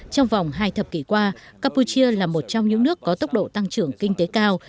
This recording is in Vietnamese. trong vòng hai thập kỷ qua campuchia là một trong những nước có tốc độ tăng trưởng kinh tế cao